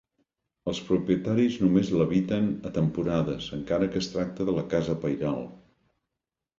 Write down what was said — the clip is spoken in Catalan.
Els propietaris només l'habiten a temporades encara que es tracta de la casa pairal.